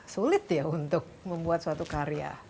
sulit ya untuk membuat suatu karya